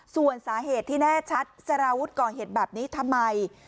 ส่วนสาเหตุที่แน่ชัดสารวุฒิก่อเหตุแบบนี้ทำไม